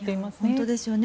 本当ですよね。